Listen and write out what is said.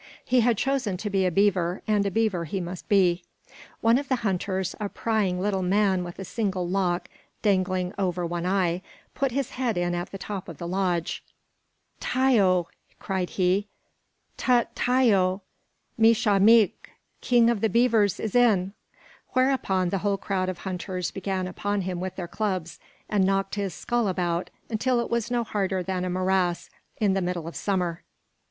He had chosen to be a beaver, and a beaver he must he. One of the hunters, a prying little man with a single lock dangling over one eye, put his head in at the top of the lodge. "Ty au!" cried he. "Tut ty au! Me shau mik king of beavers is in." Whereupon the whole crowd of hunters began upon him with their clubs, and knocked his skull about until it was no harder than a morass in the middle of summer.